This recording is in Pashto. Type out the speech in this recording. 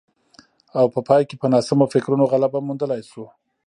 او په پای کې په ناسمو فکرونو غلبه موندلای شو